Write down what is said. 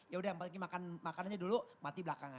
yaudah makan makannya dulu mati belakangan